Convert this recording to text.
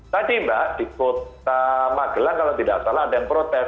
tadi mbak di kota magelang kalau tidak salah ada yang protes